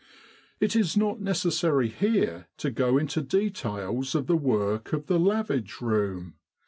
It is not necessary here to go into details of the work of the Lavage Room.